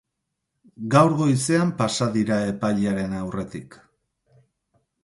Gaur goizean pasa dira epailearen aurretik.